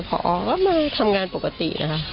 พอก็มาทำงานปกตินะคะ